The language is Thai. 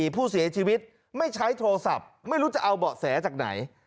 ผู้เสียชีวิตไม่ใช้โทรศัพท์ไม่รู้จะเอาเบาะแสจากไหน